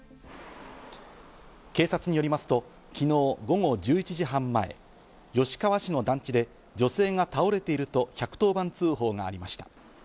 警察によりますと昨日午後１１時半前、吉川市の団地で女性が倒れていると１１０番通報がありました。